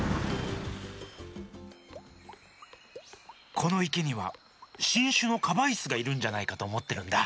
このいけにはしんしゅのカバイスがいるんじゃないかとおもってるんだ。